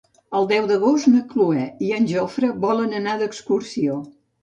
El deu d'agost na Cloè i en Jofre volen anar d'excursió.